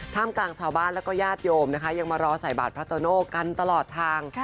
กลางชาวบ้านแล้วก็ญาติโยมนะคะยังมารอใส่บาทพระโตโน่กันตลอดทาง